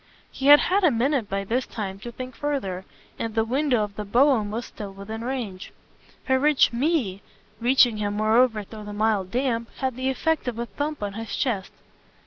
He had had a minute by this time to think further, and the window of the brougham was still within range. Her rich "me," reaching him moreover through the mild damp, had the effect of a thump on his chest.